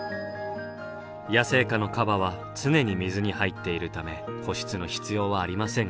野生下のカバは常に水に入っているため保湿の必要はありませんが。